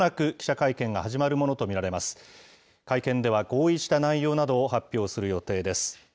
会見では合意した内容などを発表する予定です。